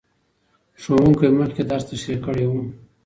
ښوونکی مخکې درس تشریح کړی و.